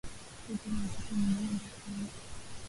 Koti la mtoto ni rembo sana